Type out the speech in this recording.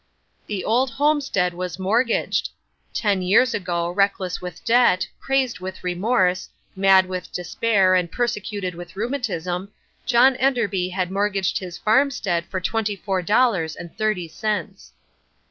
The Old Homestead was mortgaged! Ten years ago, reckless with debt, crazed with remorse, mad with despair and persecuted with rheumatism, John Enderby had mortgaged his farmstead for twenty four dollars and thirty cents.